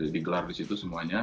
digelar di situ semuanya